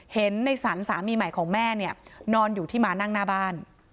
เห็นในสรรสามีใหม่ของแม่เนี่ยนอนอยู่ที่มานั่งหน้าบ้าน